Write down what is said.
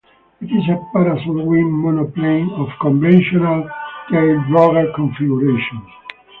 It is a parasol wing monoplane of conventional taildragger configuration.